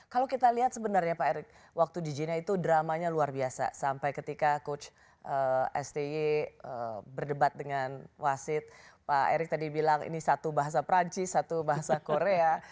kalau kita lihat sebenarnya pak erick waktu di china itu dramanya luar biasa sampai ketika coach sti berdebat dengan wasit pak erick tadi bilang ini satu bahasa perancis satu bahasa korea